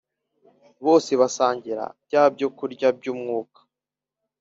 bose bagasangira bya byokurya by Umwuka